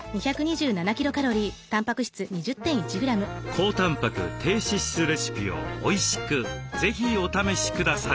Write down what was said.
高たんぱく低脂質レシピをおいしく是非お試しください。